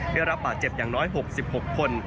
ได้รับบาดเจ็บอย่างน้อย๖๖คน